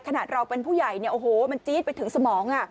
ขนาดเราเป็นผู้ใหญ่เนี่ยโอ้โหมันจี๊ดไปถึงสมอง